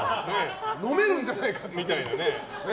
飲めるんじゃないかっていう。